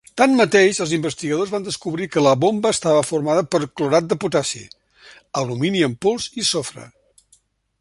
Tanmateix, els investigadors van descobrir que la bomba estava formada per clorat de potassi, alumini en pols i sofre.